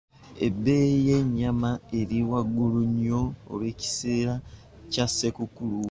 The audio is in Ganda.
Ebbeeyi y'ennyama eri waggulu nnyo olw'ekiseera kya Ssekukkulu.